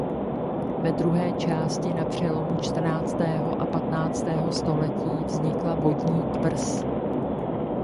Ve druhé části na přelomu čtrnáctého a patnáctého století vznikla vodní tvrz.